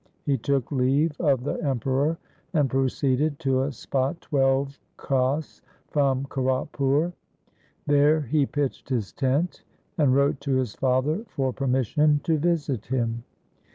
He took leave of the Emperor and proceeded to a spot twelve kos from Kiratpur. There he pitched his tent, and wrote to his father for permission to visit him.